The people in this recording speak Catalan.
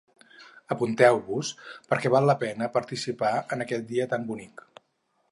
Apunteu-vos, perquè val la pena participar en aquest dia tan bonic.